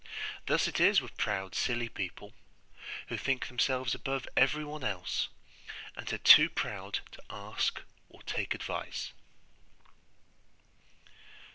Thus it is with proud silly people, who think themselves above everyone else, and are too proud to ask or take advice.